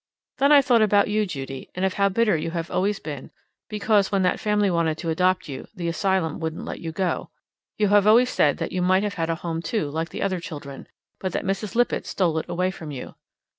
Then I thought about you, Judy, and of how bitter you have always been because, when that family wanted to adopt you, the asylum wouldn't let you go. You have always said that you might have had a home, too, like other children, but that Mrs. Lippett stole it away from you.